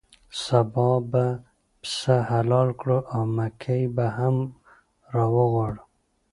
سبا به پسه حلال کړو او مکۍ به هم راوغواړو.